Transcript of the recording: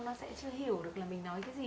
nó sẽ chưa hiểu được là mình nói cái gì